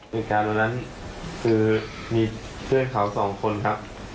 ในการตอนนั้นคือมีเพื่อนขาว๒คนครับ